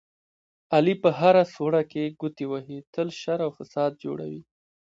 علي په هره سوړه کې ګوتې وهي، تل شر او فساد جوړوي.